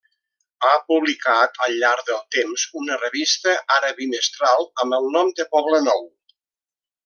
Ha publicat al llarg del temps una revista, ara bimestral, amb el nom de Poblenou.